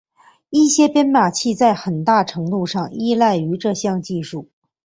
一些编码器在很大程度上依赖于这项技术。